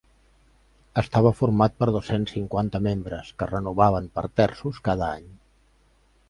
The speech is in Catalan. Estava format per dos-cents cinquanta membres, que es renovaven per terços cada any.